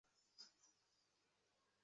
আমি আবারো ক্ষমা চাচ্ছি।